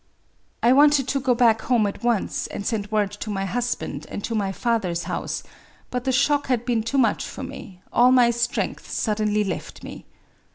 I wanted to go back home at once, and send word to my husband and to my father's house ; but the shock had been too much for me — all my strength suddenly left me.